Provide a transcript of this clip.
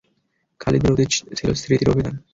খালিদের অতীত ছিল স্মৃতির অভিধান।